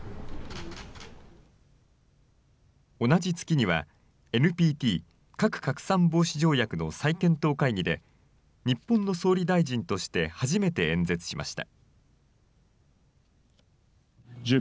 同じ月にはＮＰＴ・核拡散防止条約の再検討会議で日本の総理大臣として初めて演説しました。